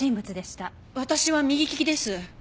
私は右利きです。